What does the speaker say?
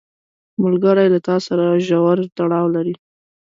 ملګری له تا سره ژور تړاو لري